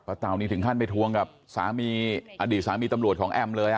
เต่านี่ถึงขั้นไปทวงกับสามีอดีตสามีตำรวจของแอมเลย